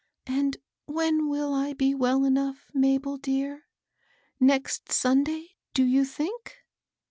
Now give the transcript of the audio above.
"And when will I be well enough, Mabel dear? — next Sunday, do you think?"